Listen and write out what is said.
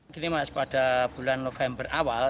gini mas pada bulan november awal